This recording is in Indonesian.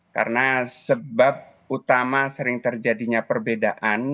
karena sebab utama sering terjadinya perbedaan